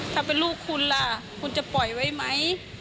ถ้าเป็นลูกคุณล่ะคุณจะปล่อยไว้ไหม